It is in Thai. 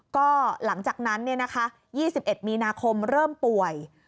ก็หลังจากนั้น๒๑มีนาคมเริ่มป่วย